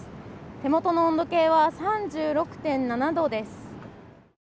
手元の温度計は３６．７度です。